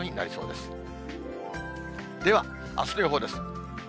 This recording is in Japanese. では、あすの予報です。